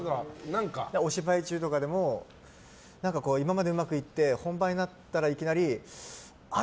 お芝居中とかでも今までうまくいって本番になったらいきなりあれ？